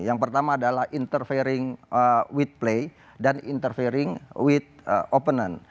yang pertama adalah interfering with play dan interfering with opponent